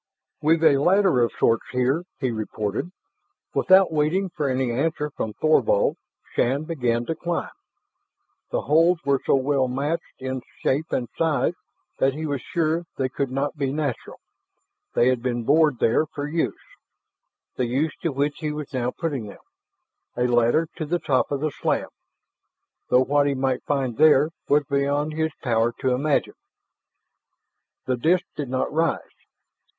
"We've a ladder of sorts here," he reported. Without waiting for any answer from Thorvald, Shann began to climb. The holds were so well matched in shape and size that he was sure they could not be natural; they had been bored there for use the use to which he was now putting them a ladder to the top of the slab. Though what he might find there was beyond his power to imagine. The disk did not rise.